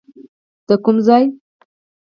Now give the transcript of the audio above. د کوم ځای؟